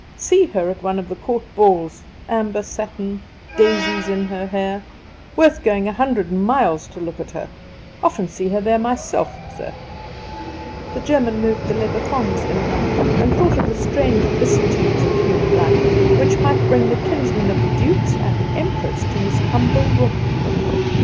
See her at one of the court balls amber satin daisies in her hair. Worth going a hundred miles to look at her! Often seen her there myself, sir!" The German moved the leather thongs in and out, and thought of the strange vicissitudes of human life, which might bring the kinsman of dukes and emperors to his humble room.